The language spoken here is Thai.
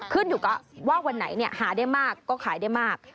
ขึ้นอยู่กับว่าวันไหนหาได้มากก็ขายได้มาก